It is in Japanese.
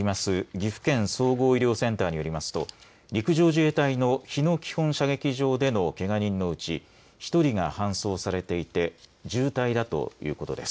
岐阜県総合医療センターによりますと陸上自衛隊の日野基本射撃場でのけが人のうち１人が搬送されていて重体だということです。